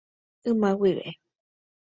Yma guive.